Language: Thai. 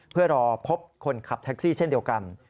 เพื่อรอพบคนขับแท็กซี่เช่นเดียวกัน